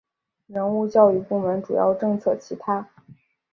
人物教育部门主要政策其他